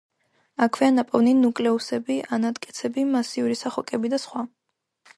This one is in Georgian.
აქვეა ნაპოვნი ნუკლეუსები, ანატკეცები, მასიური სახოკები და სხვა.